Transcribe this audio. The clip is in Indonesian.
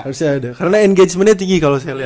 harusnya ada karena engagementnya tinggi kalau saya lihat